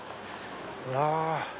うわ！